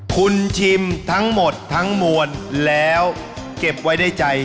คุณชิมทั้งหมดทั้งมวลแล้วเก็บไว้ในใจ